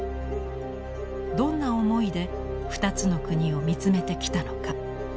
どんな思いで２つの国を見つめてきたのか。